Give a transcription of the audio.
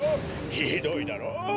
ひどいだろう！？